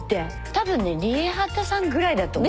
多分ねＲＩＥＨＡＴＡさんぐらいだと思う。